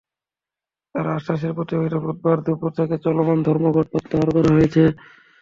তাঁর আশ্বাসের পরিপ্রেক্ষিতে বুধবার দুপুর থেকে চলমান ধর্মঘট প্রত্যাহার করা হয়েছে।